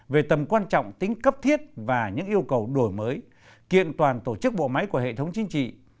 về tầm quan trọng tính cấp thiết và những yêu cầu đổi mới kiện toàn tổ chức bộ máy của hệ thống chính trị